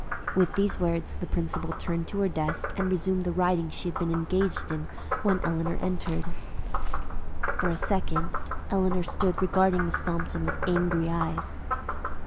With these words the principal turned to her desk and resumed the writing she had been engaged in when Eleanor entered. For a second, Eleanor stood regarding Miss Thompson with angry eyes.